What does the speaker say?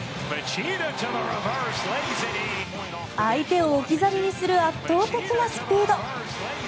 相手を置き去りにする圧倒的なスピード。